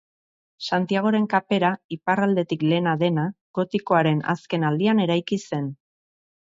Santiagoren Kapera, iparraldetik lehena dena, gotikoaren azken aldian eraiki zen.